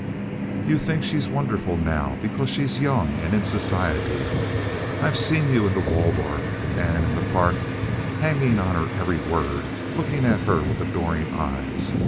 You think she's wonderful now because she's young and in society. I've seen you in the Waldorf and in the Park hanging on her every word, looking at her with adoring eyes.